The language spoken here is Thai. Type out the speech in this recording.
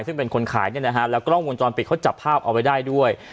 ซึ่งเป็นคนขายเนี่ยนะฮะแล้วกล้องวงจรปิดเขาจับภาพเอาไว้ได้ด้วย